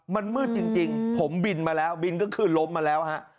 มันมืดจริงผมบินมาแล้วบินก็คือล้มมาแล้วฮะ